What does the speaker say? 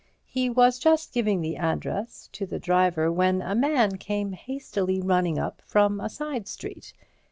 He was just giving the address to the driver, when a man came hastily running up from a side street.